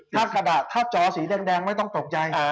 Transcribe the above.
ถ้าจอสีแดงไม่ต้องตกใจ